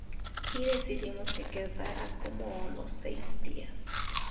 Y decidimos que quedara como Los Seis Días".